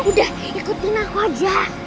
udah ikutin aku aja